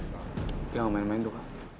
kita nggak mau main main tuh bang